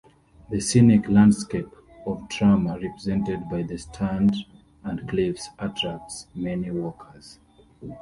The scenic landscape of Tramore, represented by the strand and cliffs, attracts many walkers.